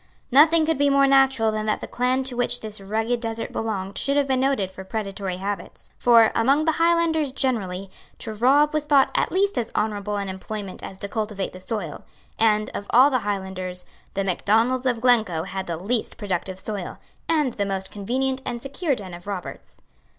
Nothing could be more natural than that the clan to which this rugged desert belonged should have been noted for predatory habits. For, among the Highlanders generally, to rob was thought at least as honourable an employment as to cultivate the soil; and, of all the Highlanders, The Macdonalds of Glencoe had the least productive soil, and the most convenient and secure den of robbers.